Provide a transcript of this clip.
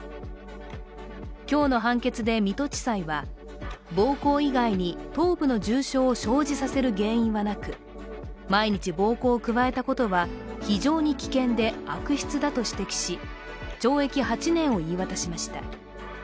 今日の判決で、水戸地裁は暴行以外に頭部の重傷を生じさせる原因はなく毎日暴行を加えたことは、非常に危険で悪質だと指摘し懲役８年を言い渡しました。